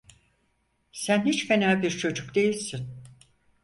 Sen hiç fena bir çocuk değilsin!